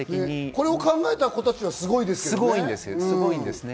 これを考えた子たちはすごいですけどね。